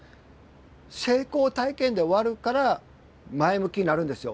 成功体験で終わるから前向きになるんですよ。